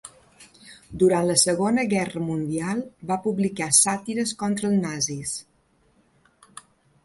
Durant la Segona Guerra Mundial, va publicar sàtires contra els nazis.